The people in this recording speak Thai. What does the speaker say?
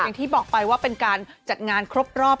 อย่างที่บอกไปว่าเป็นการจัดงานครบรอบ